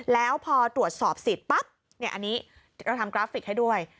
แล้วพอตรวจสอบสิทธิ์ปั๊บอันนี้เราทำกราฟิกให้ด้วย